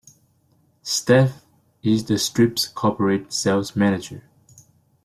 Stef is the strip's Corporate Sales Manager.